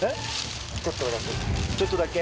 ちょっとだけ。